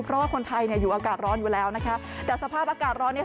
เพราะว่าคนไทยเนี่ยอยู่อากาศร้อนอยู่แล้วนะคะแต่สภาพอากาศร้อนเนี่ย